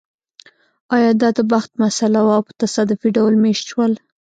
ایا دا د بخت مسئله وه او په تصادفي ډول مېشت شول